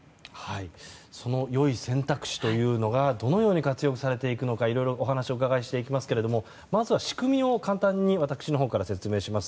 その良い選択肢というのがどのように活用されていくのかいろいろお話をお伺いしていきますけれどもまずは仕組みを簡単に私のほうから説明をします。